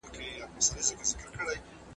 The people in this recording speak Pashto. لمر یې په نصیب نه دی جانانه مه راځه ورته